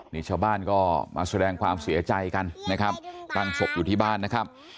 นี่ชาวบ้านก็มาแสดงความเสียใจกันนะครับตั้งศพอยู่ที่บ้านนะครับ